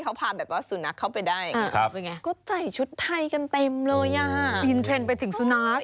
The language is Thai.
ก็ใส่ชุดไทยกันเต็มเลยอินเทรนด์ไปถึงสุนัข